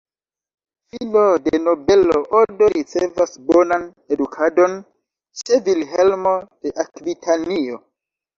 Filo de nobelo, Odo ricevas bonan edukadon ĉe Vilhelmo de Akvitanio.